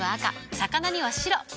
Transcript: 魚には白。